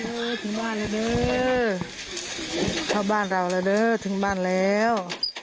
ถึงบ้านแล้วเด้อเข้าบ้านเราแล้วเด้อถึงบ้านแล้ว